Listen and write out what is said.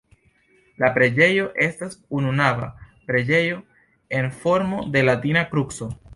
La preĝejo estas ununava preĝejo en formo de latina kruco.